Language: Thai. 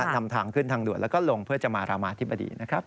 นำทางขึ้นทางด่วนแล้วก็ลงเพื่อจะมารามาธิบดีนะครับ